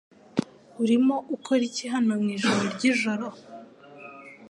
Urimo ukora iki hano mwijoro ryijoro?